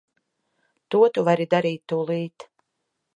To tu vari darīt tūlīt.